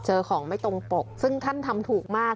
ของไม่ตรงปกซึ่งท่านทำถูกมาก